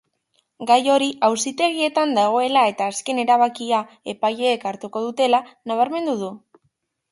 Gai hori auzitegietan dagoela eta azken erabakia epaileek hartuko dutela nabarmendu du.